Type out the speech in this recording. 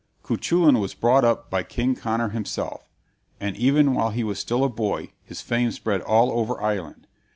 Cuchulain was brought up by King Conor himself, and even while he was still a boy his fame spread all over Ireland.